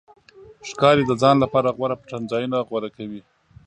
ښکاري د ځان لپاره غوره پټنځایونه غوره کوي.